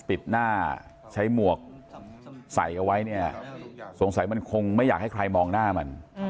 ปิดหน้าใช้หมวกใส่เอาไว้เนี่ยสงสัยมันคงไม่อยากให้ใครมองหน้ามัน